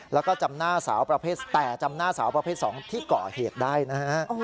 แล้วก็จำหน้าสาวประเภทแต่จำหน้าสาวประเภท๒ที่ก่อเหตุได้นะฮะ